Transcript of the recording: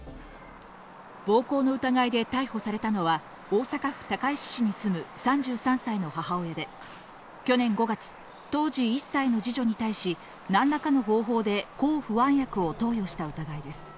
暴行の疑いで逮捕されたのは大阪府高石市に住む３３歳の母親で、去年５月、当時１歳の二女に対し何らかの方法で抗不安薬を投与した疑いです。